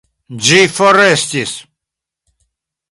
Ĝi forestis.